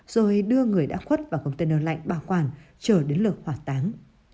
rồi đưa người đã khuất vào công tên nền lạnh bảo quản chờ đến lượt hỏa táng